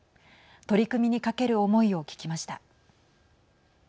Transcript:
取り組みにかける思いを聞きました。